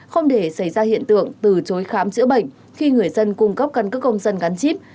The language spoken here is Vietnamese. không để xảy ra hiện tượng từ chối khám chữa bệnh khi người dân cung cấp căn cứ công dân gắn chip